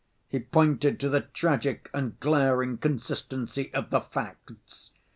He pointed to the tragic and glaring consistency of the facts.